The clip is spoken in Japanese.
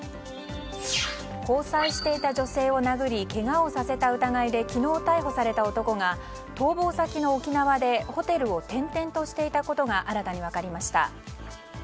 交際していた女性を殴りけがをさせた疑いで昨日逮捕された男が逃亡先の沖縄でホテルを転々としていたことが新たに分かりました。